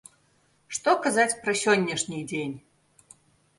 Што казаць пра сённяшні дзень!